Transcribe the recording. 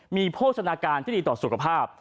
มีโภชนาการที่ดีต่อสุขภาพ